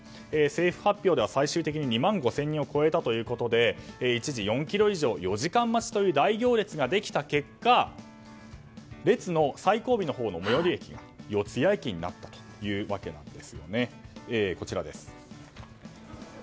政府発表では最終的に２万５０００人を超えたということで一時、４ｋｍ以上４時間待ちという大行列ができた結果列の最後尾のほうの最寄り駅が四ツ谷駅になったというわけなんですね。